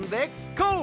こう！